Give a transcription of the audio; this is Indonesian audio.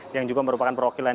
yang juga merupakan perwakilan